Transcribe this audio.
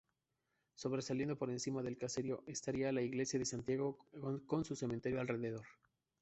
Sobresaliendo por encima del caserío estaría la iglesia de Santiago con su cementerio alrededor.